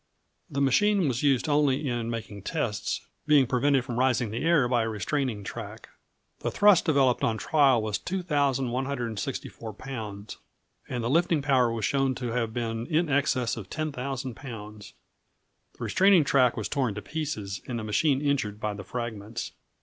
The machine was used only in making tests, being prevented from rising in the air by a restraining track. The thrust developed on trial was 2,164 lbs., and the lifting power was shown to have been in excess of 10,000 lbs. The restraining track was torn to pieces, and the machine injured by the fragments.